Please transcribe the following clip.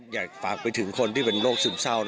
อยากฝากไปถึงคนที่เป็นโรคซึมเศร้า